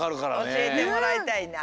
おしえてもらいたいなあ。